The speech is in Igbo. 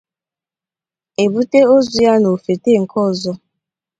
ebute ozu ya n'ófète nke ọzọ